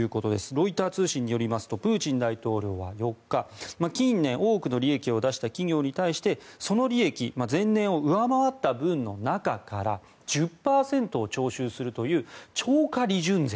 ロイター通信によりますとプーチン大統領は４日近年、多くの利益を出した企業に対してその利益前年を上回った分の中から１０％を徴収するという超過利潤税